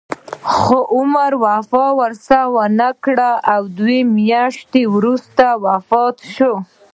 خو عمر وفا ورسره ونه کړه او دوه میاشتې وروسته وفات شو.